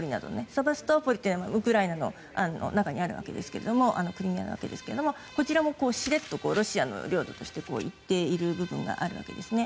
セバストポリはウクライナの中にあるわけですがクリミアなわけですがこちらもしれっとロシアの領土にして言っている部分があるわけですね。